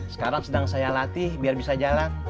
sekarang sedang saya latih biar bisa jalan